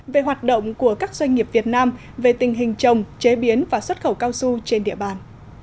về hoạt động của các doanh nghiệp việt nam về tình hình trồng chế biến và xuất khẩu cao su trên địa bàn